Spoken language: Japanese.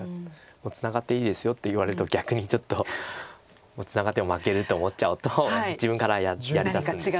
ツナがっていいですよって言われると逆にちょっとツナがっても負けると思っちゃうと自分からやりだすんですよね。